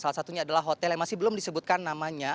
salah satunya adalah hotel yang masih belum disebutkan namanya